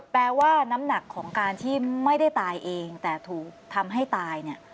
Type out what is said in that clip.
แปลว่าน้ำหนักของการที่ไม่ได้ตายเองแต่ถูกทำให้ตายเนี่ย